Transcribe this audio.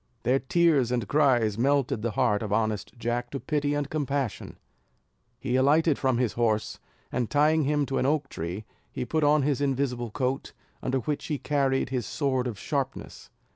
Their tears and cries melted the heart of honest Jack to pity and compassion; he alighted from his horse, and tying him to an oak tree he put on his invisible coat, under which he carried his sword of sharpness.